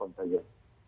baik pak muharrem